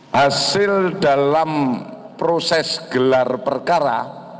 hasil dalam proses gelar perkara